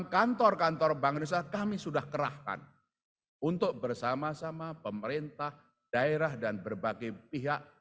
kantor kantor bank indonesia kami sudah kerahkan untuk bersama sama pemerintah daerah dan berbagai pihak